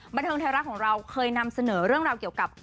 บันเทิงไทยรัฐของเราเคยนำเสนอเรื่องราวเกี่ยวกับ